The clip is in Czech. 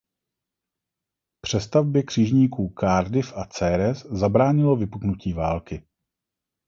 Přestavbě křižníků "Cardiff" a "Ceres" zabránilo vypuknutí války.